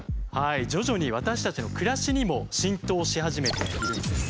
徐々に私たちの暮らしにも浸透し始めているんです。